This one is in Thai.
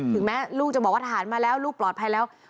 แม้ลูกจะบอกว่าทหารมาแล้วลูกปลอดภัยแล้ว